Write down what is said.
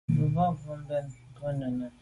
Ndù à ba mbwon mbèn mbe mènnenùne.